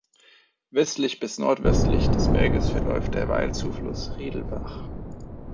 Westlich bis nordwestlich des Berges verläuft der Weil-Zufluss Riedelbach.